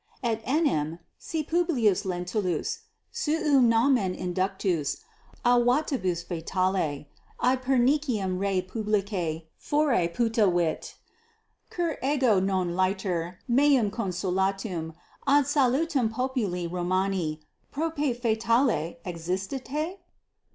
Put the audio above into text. Etenim si P. Lentulus suum nomen inductus a vatibus fatale ad perniciem rei publicae fore putavit, cur ego non laeter meum consulatum ad salutem populi Romani prope fatalem exstitisse?